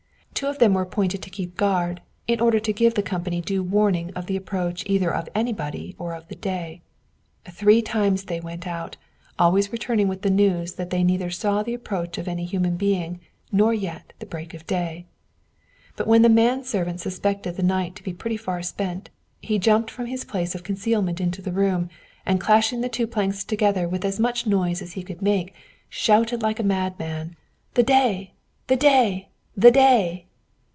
Two of them were appointed to keep guard, in order to give the company due warning of the approach either of anybody or of the day. Three times they went out, always returning with the news that they saw neither the approach of any human being, nor yet of the break of day. But when the man servant suspected the night to be pretty far spent, he jumped from his place of concealment into the room, and clashing the two planks together with as much noise as he could make, shouted like a madman, "The day! the day! the day!"